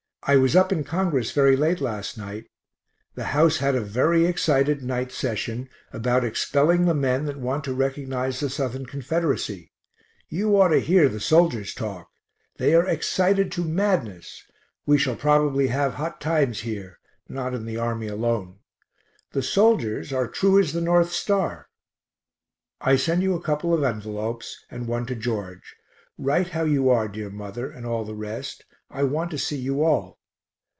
I was up in Congress very late last night. The house had a very excited night session about expelling the men that want to recognize the Southern Confederacy. You ought to hear the soldiers talk. They are excited to madness. We shall probably have hot times here, not in the army alone. The soldiers are true as the North Star. I send you a couple of envelopes, and one to George. Write how you are, dear mother, and all the rest. I want to see you all.